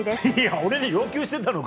俺に要求してたのか？